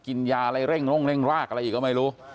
กินยาอะไรเร่งล่างอะไรอีกก็ไม่รู้